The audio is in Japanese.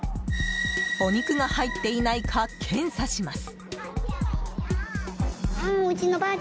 お肉が入っていないか検査します。